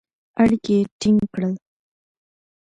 اړیکي یې ټینګ کړل.